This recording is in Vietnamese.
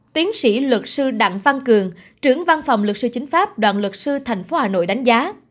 tiến sĩ luật sư đặng văn cường trưởng văn phòng luật sư chính pháp đoàn luật sư tp hà nội đánh giá